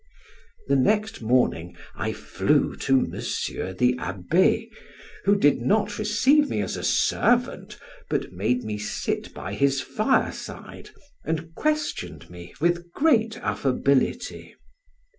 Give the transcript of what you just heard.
The next morning I flew to M. the Abbe, who did not receive me as a servant, but made me sit by his fireside, and questioned me with great affability.